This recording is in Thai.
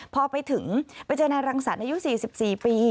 พอไปถึงประเจนารังศัตริย์อายุ๔๔ปี